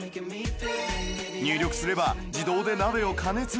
入力すれば自動で鍋を加熱